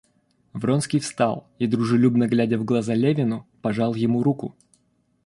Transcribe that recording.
Вронский встал и, дружелюбно глядя в глаза Левину, пожал ему руку.